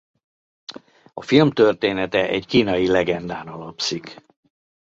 A film története egy kínai legendán alapszik.